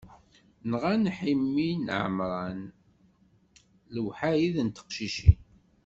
Nɣan Ḥimi d Ɛemran, lewḥayed n teqcicin.